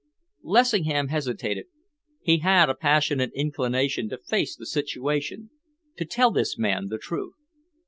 Lessingham hesitated. He had a passionate inclination to face the situation, to tell this man the truth.